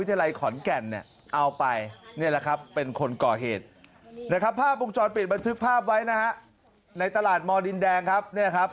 นะครับภาพปรุงจรปิดบันทึกภาพไว้นะฮะในตลาดมอดินแดงครับเนี่ยครับ